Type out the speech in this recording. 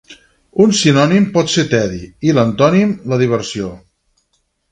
Un sinònim pot ser tedi i l'antònim la diversió.